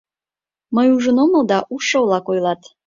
Мый ужын омыл да, ужшо-влак ойлат.